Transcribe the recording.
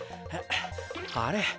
あれ？